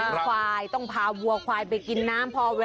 เราอยู่ท่อโทษแล้วกลับมาทัน